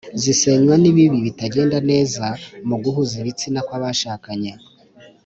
zisenywa n’ibiba bitagenda neza mu guhuza ibitsina kw’abashakanye.